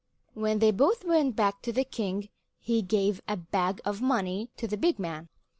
When they both went back to the king, he gave a bag of money to the big man.